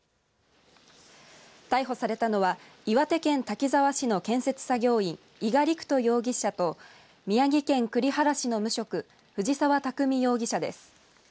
逮捕されたのは岩手県滝沢市の建設作業員伊賀陸仁容疑者と宮城県栗原市の無職藤澤拓巳容疑者です。